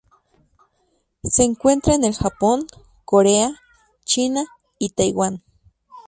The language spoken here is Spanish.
Se encuentra en el Japón, Corea, China y Taiwán.